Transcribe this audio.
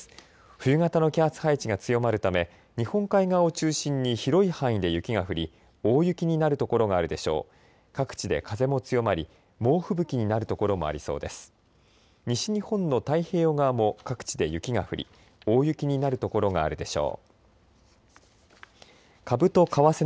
冬型の気圧配置が強まるため日本海側を中心に広い範囲で雪が降り大雪になる所があるでしょう。